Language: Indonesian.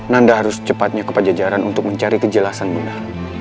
nanda harus cepatnya ke pajajaran untuk mencari kejelasan benar